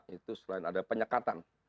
itu selain ada penyekatan